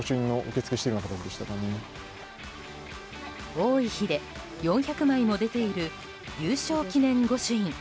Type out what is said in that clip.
多い日で４００枚も出ている優勝記念御朱印。